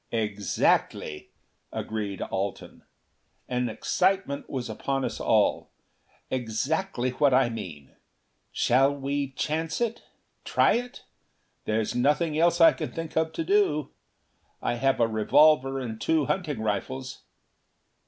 "Exactly," agreed Alten. An excitement was upon us all. "Exactly what I mean! Shall we chance it? Try it? There's nothing else I can think of to do. I have a revolver and two hunting rifles."